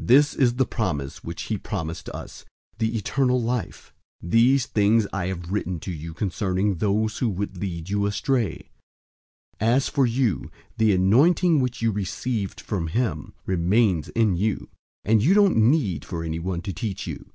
002:025 This is the promise which he promised us, the eternal life. 002:026 These things I have written to you concerning those who would lead you astray. 002:027 As for you, the anointing which you received from him remains in you, and you don't need for anyone to teach you.